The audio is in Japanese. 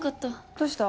どうした？